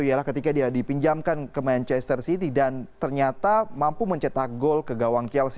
ialah ketika dia dipinjamkan ke manchester city dan ternyata mampu mencetak gol ke gawang chelsea